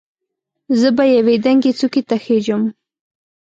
زه به یوې دنګې څوکې ته خېژم.